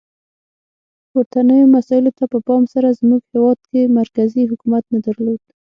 پورتنیو مسایلو ته په پام سره زموږ هیواد کې مرکزي حکومت نه درلود.